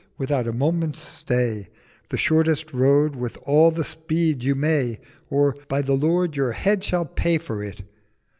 without a Moment's Stay,— The shortest Road with all the Speed you may,— Or, by the Lord, your Head shall pay for it!'